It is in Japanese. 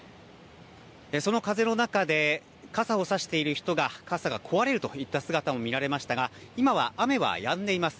その風の中で傘を差している人が傘が壊れるといった姿も見られましたが今は雨はやんでいます。